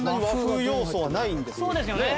そうですよね。